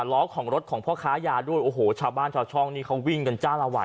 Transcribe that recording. ล้อของรถของพ่อค้ายาด้วยโอ้โหชาวบ้านชาวช่องนี้เขาวิ่งกันจ้าละวัน